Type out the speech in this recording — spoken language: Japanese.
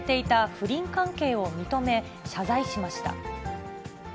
不倫関係を認め、謝罪しました。